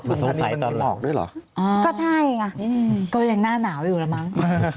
ก็ใช่ค่ะฉันก็อย่างหน้าหนาวอยู่แหละมั้ง